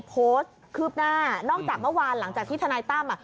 คืบหน้านอกจากเมื่อวานหลังจากที่ทนายตั้มอ่ะ